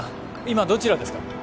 今どちらですか？